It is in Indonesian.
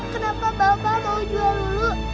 kenapa bapak mau jual dulu